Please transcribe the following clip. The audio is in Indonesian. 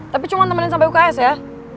tapi cuma temenin sampai uks ya